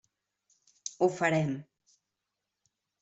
Ho farem.